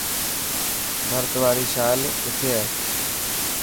ڀرت واري شال ڪٿي هي.